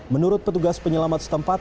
menurut petugas penyelamat setempat